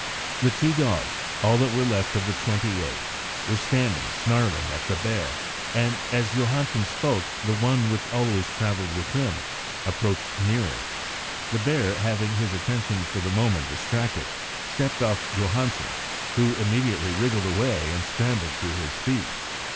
The two dogs, all that were left of the twenty eight, were standing snarling at the bear, and as Johansen spoke the one which always travelled with him approached nearer. The bear, having his attention for the moment distracted, stepped off Johansen, who immediately wriggled away and scrambled to his feet.